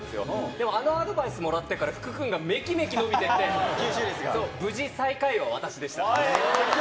でも、あのアドバイスもらってから、福君がめきめき伸びてきて、無事、最下位は私でした。